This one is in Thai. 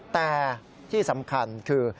แต่ที่สำคัญคือ